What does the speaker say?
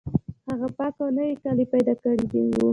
هغه پاک او نوي کالي پیدا کړي وو